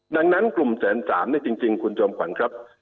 ดังนั้นกลุ่มแสนสามเนี่ยจริงคุณจอมขวัญครับ